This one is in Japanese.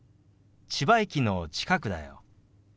千葉駅の近くだよ。